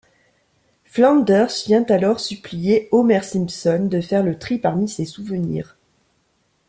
Flanders vient alors supplier Homer Simpson de faire le tri parmi ses souvenirs.